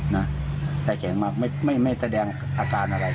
แต่แข็งมากไม่แสดงอาการอะไร